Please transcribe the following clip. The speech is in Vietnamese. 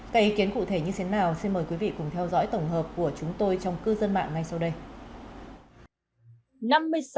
các ý kiến cụ thể như thế nào xin mời quý vị cùng theo dõi tổng hợp của chúng tôi trong cư dân mạng ngay sau đây